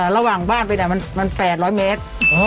ระหว่างบ้านไปมัน๘๐๐เมตร